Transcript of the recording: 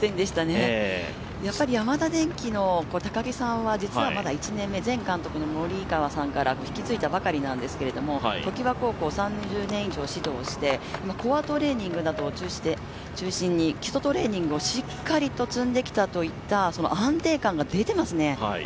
やっぱりヤマダ電機の高木さんは１年目、前監督の森川さんから引き継いだばかりなんですけど、常盤高校を３０年以上指導して、コアトレーニングなどを中心に基礎トレーニングをしっかり積んだ安定感が出てますね。